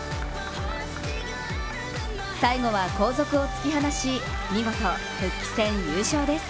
最後は後続を突き放し見事、復帰戦優勝です。